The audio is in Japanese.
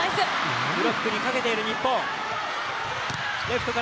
ブロックにかけている日本。